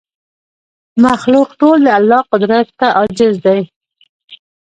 مخلوق ټول د الله قدرت ته عاجز دی